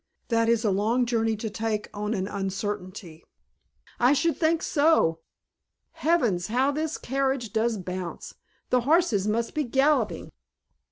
That is a long journey to take on an uncertainty." "I should think so. Heavens, how this carriage does bounce. The horses must be galloping."